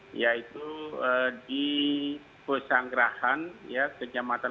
pemukiman yang terdampak yaitu di pusang grahan